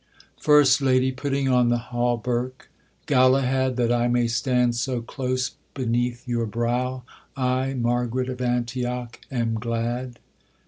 FIRST LADY, putting on the hauberk. Galahad, That I may stand so close beneath your brow, I, Margaret of Antioch, am glad.